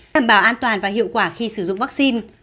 đảm bảo an toàn và hiệu quả khi sử dụng vaccine